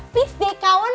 please deh kawan